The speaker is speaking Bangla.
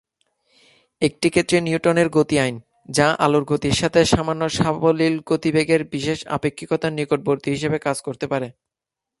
একটি ক্ষেত্রে নিউটনের গতির আইন, যা আলোর গতির সাথে সামান্য সাবলীল গতিবেগের বিশেষ আপেক্ষিকতার নিকটবর্তী হিসাবে কাজ করতে পারে।